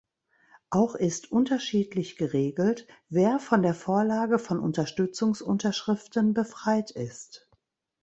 Auch ist unterschiedlich geregelt, wer von der Vorlage von Unterstützungsunterschriften befreit ist.